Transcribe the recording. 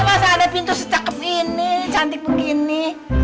masa ada pintu secak ini cantik begini